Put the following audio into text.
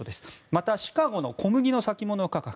またシカゴの小麦の先物価格。